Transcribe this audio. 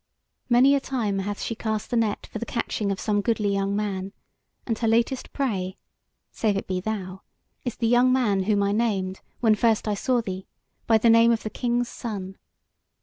Many a time hath she cast the net for the catching of some goodly young man; and her latest prey (save it be thou) is the young man whom I named, when first I saw thee, by the name of the King's Son.